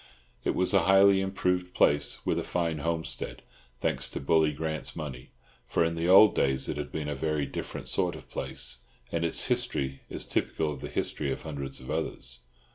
It was a highly improved place, with a fine homestead—thanks to Bully Grant's money, for in the old days it had been a very different sort of place—and its history is typical of the history of hundreds of others.